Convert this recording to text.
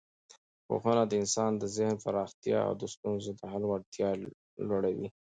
پوهنه د انسان د ذهن پراختیا او د ستونزو د حل وړتیا لوړوي.